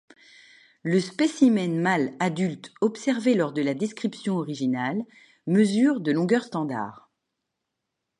Le spécimens mâle adulte observé lors de la description originale mesure de longueur standard.